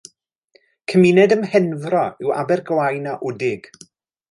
Cymuned ym Mhenfro yw Abergwaun a Wdig.